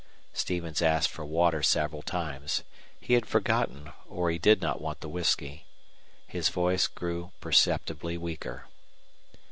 Stevens asked for water several times. He had forgotten or he did not want the whisky. His voice grew perceptibly weaker.